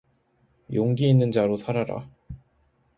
용기 있는 자로 살아라.